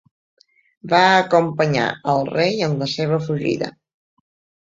Va acompanyar al rei en la seva fugida.